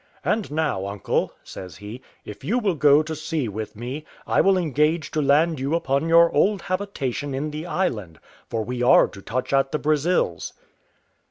"And now, uncle," says he, "if you will go to sea with me, I will engage to land you upon your old habitation in the island; for we are to touch at the Brazils."